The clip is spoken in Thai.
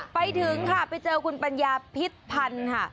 ไปถึงค่ะไปเจอคุณปัญญาพิษพันธ์ค่ะ